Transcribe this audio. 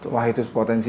wah itu potensi